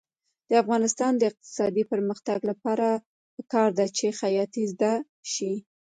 د افغانستان د اقتصادي پرمختګ لپاره پکار ده چې خیاطۍ زده شي.